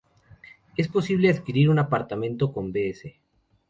Es posible adquirir un apartamento con Bs.